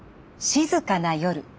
静かな夜。